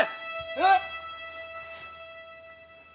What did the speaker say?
えっ？